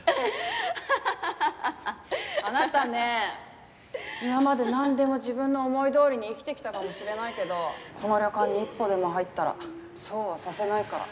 あなたね今までなんでも自分の思いどおりに生きてきたかもしれないけどこの旅館に一歩でも入ったらそうはさせないから。